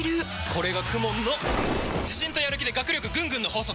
これがＫＵＭＯＮの自信とやる気で学力ぐんぐんの法則！